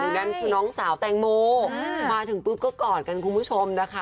นั่นคือน้องสาวแตงโมมาถึงปุ๊บก็กอดกันคุณผู้ชมนะคะ